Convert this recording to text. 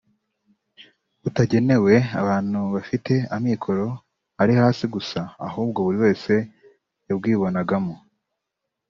butagenewe abantu bafite amikoro ari hasi gusa ahubwo buri wese yabwibonamo